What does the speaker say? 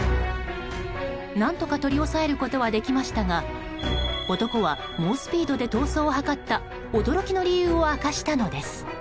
何とか取り押さえることはできましたが男は、猛スピードで逃走を図った驚きの理由を明かしたのです。